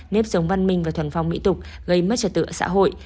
nếp sống văn minh và thuần phong mỹ tục gây mất trật tựa xã hội